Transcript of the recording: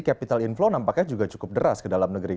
capital inflow nampaknya juga cukup deras ke dalam negeri